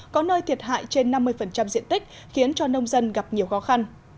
có nơi thiệt hại trên năm mươi diện tích khiến cho nông dân gặp nhiều khó khăn